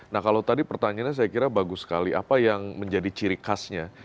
nah kalau tadi pertanyaannya saya kira bagus sekali apa yang menjadi ciri khasnya